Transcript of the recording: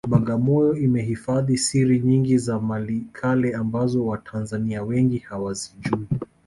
Bagamoyo imehifadhi siri nyingi za mali kale ambazo watanzania wengi hawazijui